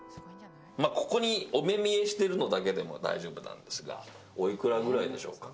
ここにお目見えしてるのだけでも大丈夫なんですがおいくらぐらいでしょうか？